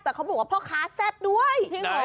แต่เขาบอกว่าพ่อค้าแซ่บด้วย